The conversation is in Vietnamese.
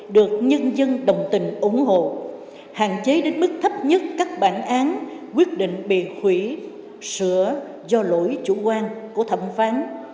được nhân dân đồng tình ủng hộ hạn chế đến mức thấp nhất các bản án quyết định bị hủy sửa do lỗi chủ quan của thẩm phán